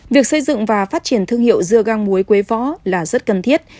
việc xây dựng và phát triển thương hiệu dưa gang muối quế võ là rất cần thiết